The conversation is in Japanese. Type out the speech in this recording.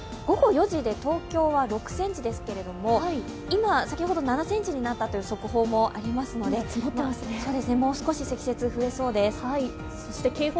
午後４時で東京は６ｃｍですけれども、今、先ほど７ｃｍになったという速報もありますのでもう少し積雪、増えそうです。